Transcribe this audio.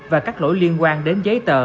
và các lỗi liên quan đến giấy tờ